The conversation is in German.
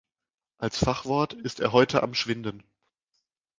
Als Fachwort ist er heute am Schwinden.